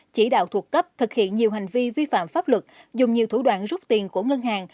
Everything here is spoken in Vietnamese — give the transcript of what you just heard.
chỉ đạo thuộc cấp thực hiện nhiều hành vi vi phạm pháp luật dùng nhiều thủ đoạn rút tiền của ngân hàng